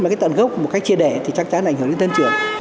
mà cái tận gốc một cách chia đẻ thì chắc chắn ảnh hưởng đến thân trưởng